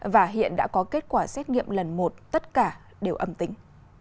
và hiện đã có kết quả xét nghiệm lần một tất cả đều âm tính